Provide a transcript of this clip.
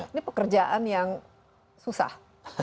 ini pekerjaan yang susah